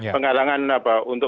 penggalangan apa untuk